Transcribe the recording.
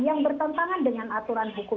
yang bertentangan dengan aturan hukum